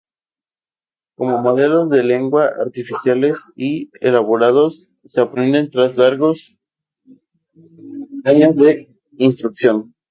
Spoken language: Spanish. Como modelos de lengua artificiales y elaborados, se aprenden tras largos años de instrucción.